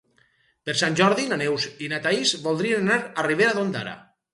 Per Sant Jordi na Neus i na Thaís voldrien anar a Ribera d'Ondara.